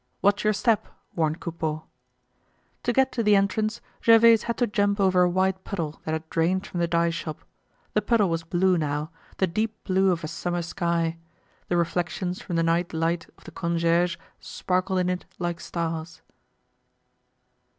"Watch your step," warned Coupeau. To get to the entrance, Gervaise had to jump over a wide puddle that had drained from the dye shop. The puddle was blue now, the deep blue of a summer sky. The reflections from the night light of the concierge sparkled in it like stars.